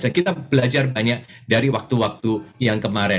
kita belajar banyak dari waktu waktu yang kemarin